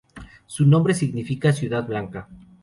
Su nombre significa "ciudad blanca".